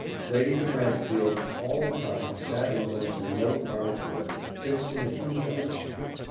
Lady de Brantefield all the time sat in the most remote part of the room, fixed in a huge arm chair.